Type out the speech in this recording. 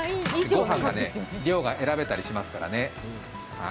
御飯が量が選べたりしますからね。